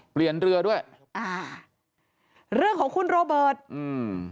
เรือด้วยอ่าเรื่องของคุณโรเบิร์ตอืม